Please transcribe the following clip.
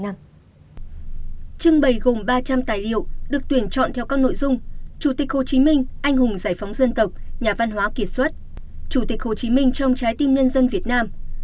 trưng bày gồm ba trăm linh tài liệu được tuyển chọn theo các nội dung chủ tịch hồ chí minh anh hùng giải phóng dân tộc nhà văn hóa kiệt xuất chủ tịch hồ chí minh trong trái tim nhân dân việt nam